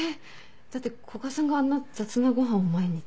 だって古賀さんがあんな雑なご飯を毎日？